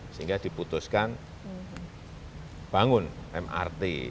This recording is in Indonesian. sehingga diputuskan bangun mrt